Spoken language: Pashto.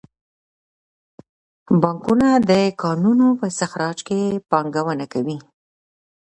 بانکونه د کانونو په استخراج کې پانګونه کوي.